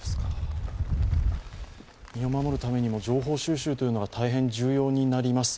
身を守るためにも情報収集が大変大事になります。